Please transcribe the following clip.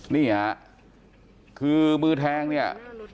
นี่ค่ะคือมือแทงเนี่ย